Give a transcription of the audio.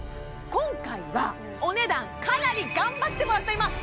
今回はお値段かなり頑張ってもらっております